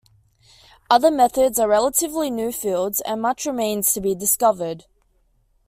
Other methods are relatively new fields and much remains to be discovered.